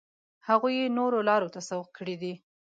هغوی یې نورو لارو ته سوق کړي دي.